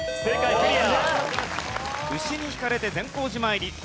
クリア。